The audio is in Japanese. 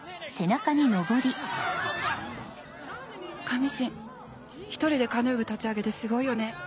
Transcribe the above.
カミシン１人でカヌー部立ち上げてすごいよね。